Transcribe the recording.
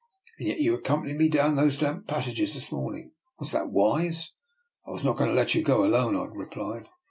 " And yet you accompanied me down to those damp passages this morning. Was that wiser ? I was not going to let you go alone," I replied.